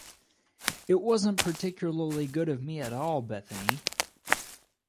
It wasn’t particularly good of me at all, Bethany.